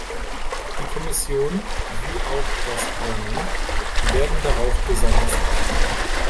Die Kommission wie auch das Parlament werden darauf besonders achten.